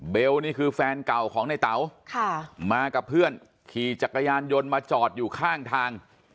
นี่คือแฟนเก่าของในเต๋ามากับเพื่อนขี่จักรยานยนต์มาจอดอยู่ข้างทาง